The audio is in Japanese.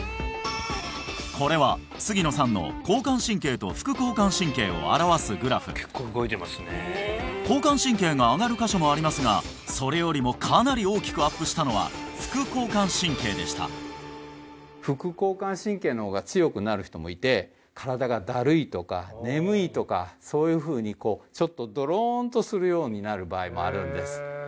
これは杉野さんの交感神経と副交感神経を表すグラフ交感神経が上がる箇所もありますがそれよりもかなり大きくアップしたのは副交感神経でしたとかそういうふうにこうちょっとどろんとするようになる場合もあるんですへえ